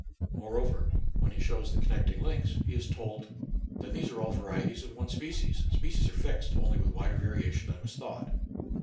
Moreover when he shows the connecting links, he is told, " Then these are all varieties of one species; species are fixed, only with wider variation than was thought."